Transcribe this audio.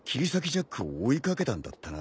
ジャックを追い掛けたんだったな。